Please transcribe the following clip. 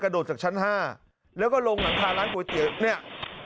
โดดจากชั้น๕แล้วก็ลงหลังคาร้านก๋วยเตี๋ยวเนี่ย